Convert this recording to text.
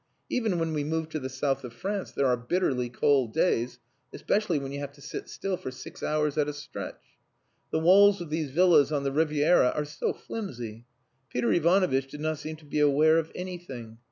Even when we move to the South of France there are bitterly cold days, especially when you have to sit still for six hours at a stretch. The walls of these villas on the Riviera are so flimsy. Peter Ivanovitch did not seem to be aware of anything.